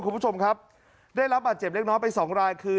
คุณผู้ชมครับได้รับบาดเจ็บเล็กน้อยไปสองรายคือ